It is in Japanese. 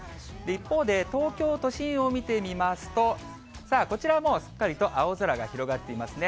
一方で、東京都心を見てみますと、さあ、こちら、もうすっかりと青空が広がっていますね。